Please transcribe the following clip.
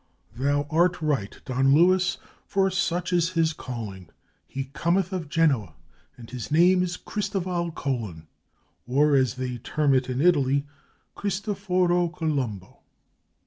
''Thou art right, Don Luis, for such is his calling. He Cometh of Genoa, and his name is Christoval Colon; or, as they term it in Italy, Christoforo Colombo."